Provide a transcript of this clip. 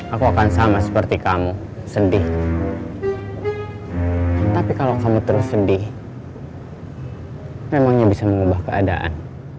aku akan sama seperti kamu sedih tapi kalau kamu terus sedih memangnya bisa mengubah keadaan